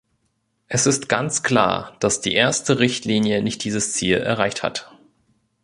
Es ist ganz klar, dass die erste Richtlinie nicht dieses Ziel erreicht hat.